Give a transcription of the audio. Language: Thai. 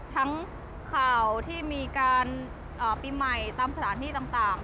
ทั้งข่าวที่มีการปีใหม่ตามสถานที่ต่าง